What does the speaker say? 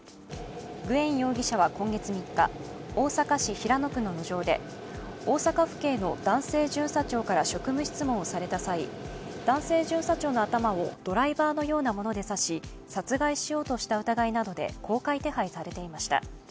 グエン容疑者は今月３日、大阪市平野区の路上で大阪府警の男性巡査長から職務質問をされた際男性巡査長の頭をドライバーのようなもので刺し殺害しようとした疑いなどで、公開手配されていました。